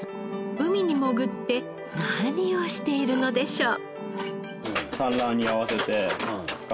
海に潜って何をしているのでしょう。